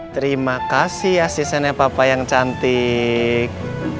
terima kasih asistennya papa yang cantik